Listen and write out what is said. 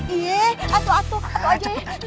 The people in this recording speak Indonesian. iya atuh atuh atuh aja ya